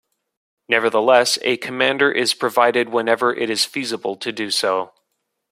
Nevertheless, a commander is provided whenever it is feasible to do so.